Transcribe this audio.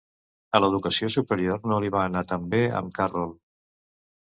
A l'educació superior no li va anar tan bé amb Carroll.